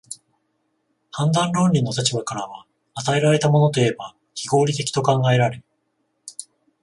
判断論理の立場からは、与えられたものといえば非合理的と考えられ、